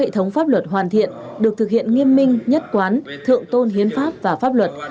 sống pháp luật hoàn thiện được thực hiện nghiêm minh nhất quán thượng tôn hiến pháp và pháp luật